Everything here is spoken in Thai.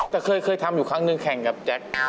แต่เคยทำอยู่ครั้งหนึ่งแข่งกับแจ๊ค